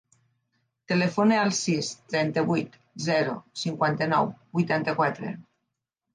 Telefona al sis, trenta-vuit, zero, cinquanta-nou, vuitanta-quatre.